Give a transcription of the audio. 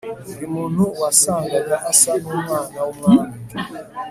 buri muntu wasangaga asa n'umwana w'umwami